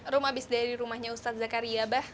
rum abis dari rumahnya ustadz zakaria